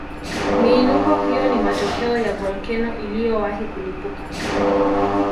Miinuko hiyo ni matokeo ya volkeno iliyowahi kulipuka